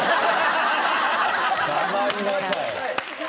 「黙りなさい」。